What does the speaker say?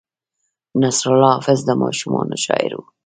نصرالله حافظ د ماشومانو شاعر و.